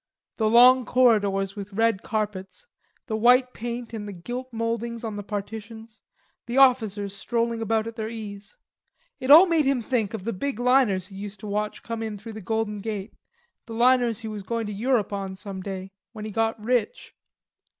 The long corridors with red carpets, the white paint and the gilt mouldings on the partitions, the officers strolling about at their ease it all made him think of the big liners he used to watch come in through the Golden Gate, the liners he was going to Europe on some day, when he got rich.